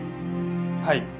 はい。